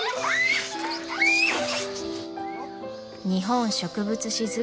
「日本植物志図譜」